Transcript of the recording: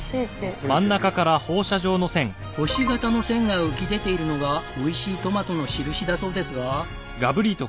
星形の線が浮き出ているのがおいしいトマトの印だそうですが。